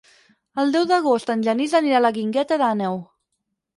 El deu d'agost en Genís anirà a la Guingueta d'Àneu.